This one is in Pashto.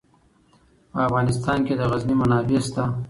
په افغانستان کې د غزني منابع شته.